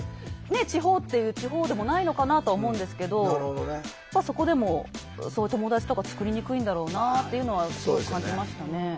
地方っていう地方でもないのかなとは思うんですけどそこでも友達とか作りにくいんだろうなっていうのはすごく感じましたね。